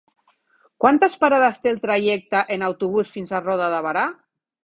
Quantes parades té el trajecte en autobús fins a Roda de Berà?